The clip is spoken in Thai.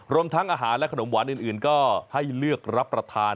รวมทั้งอาหารและขนมหวานอื่นก็ให้เลือกรับประทาน